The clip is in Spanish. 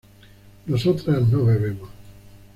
nosotras no bebemos